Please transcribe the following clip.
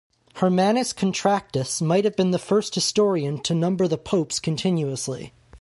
Hermannus Contractus may have been the first historian to number the popes continuously.